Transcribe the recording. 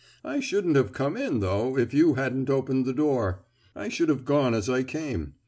I shouldn't have come in, though, if you hadn't opened the door. I should have gone as I came.